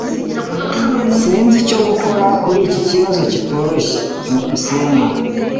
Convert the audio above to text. Sinzi icyo gukora kuri iki kibazo kitoroshye. byukusenge